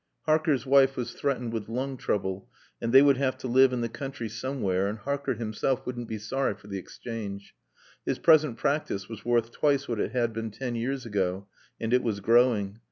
Harker's wife was threatened with lung trouble, and they would have to live in the country somewhere, and Harker himself wouldn't be sorry for the exchange. His present practice was worth twice what it had been ten years ago and it was growing.